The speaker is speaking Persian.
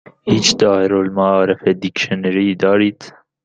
هیچ دائره المعارف دیکشنری دارید؟